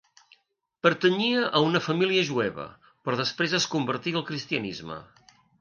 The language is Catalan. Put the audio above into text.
Pertanyia a una família jueva, però després es convertí al cristianisme.